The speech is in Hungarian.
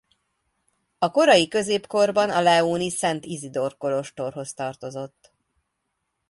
A korai középkorban a leóni Szent Izidor-kolostorhoz tartozott.